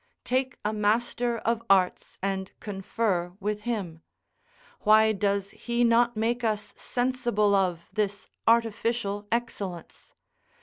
Take a master of arts, and confer with him: why does he not make us sensible of this artificial excellence?